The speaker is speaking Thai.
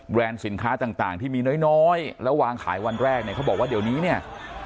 สินค้าต่างที่มีน้อยแล้ววางขายวันแรกเนี่ยเขาบอกว่าเดี๋ยวนี้เนี่ย